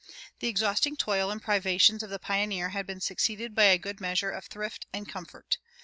The exhausting toil and privations of the pioneer had been succeeded by a good measure of thrift and comfort.